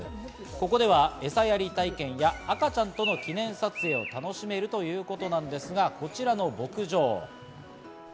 ここではエサやり体験や赤ちゃんとの記念撮影を楽しめるということなんですが、こちらの牧場。